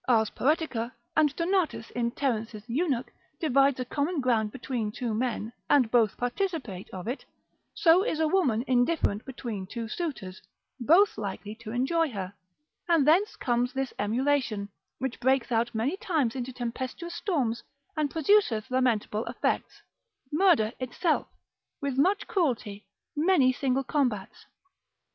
Poet. and Donat in Ter. Eunuch. divides a common ground between two men, and both participate of it, so is a woman indifferent between two suitors, both likely to enjoy her; and thence comes this emulation, which breaks out many times into tempestuous storms, and produceth lamentable effects, murder itself, with much cruelty, many single combats.